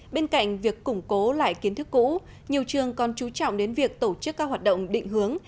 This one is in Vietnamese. bên cạnh việc củng cố lại kiến thức cũ nhiều trường còn chú trọng đến việc tổ chức các hoạt động định hướng